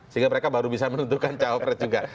sehingga mereka baru bisa menentukan cawa pres juga